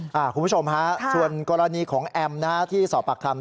คุณผู้ชมฮะส่วนกรณีของแอมที่สอบปากคำ